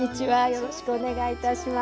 よろしくお願いします。